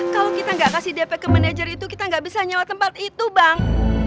kalo kita gak kasih dp ke manager itu kita gak bisa nyawa tempat itu bang